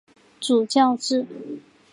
主教制。